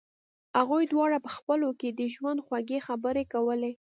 هغوی دواړو په خپلو کې د ژوند خوږې خبرې کولې